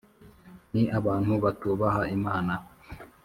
ni abantu batubaha imana